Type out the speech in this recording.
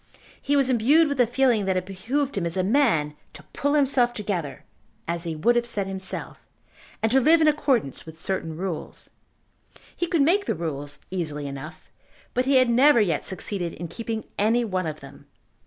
He was imbued with a feeling that it behoved him as a man to "pull himself together," as he would have said himself, and to live in accordance with certain rules. He could make the rules easily enough, but he had never yet succeeded in keeping any one of them.